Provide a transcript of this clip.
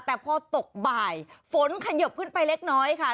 แต่พอตกบ่ายฝนขยบขึ้นไปเล็กน้อยค่ะ